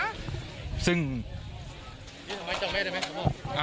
และมีความหวาดกลัวออกมา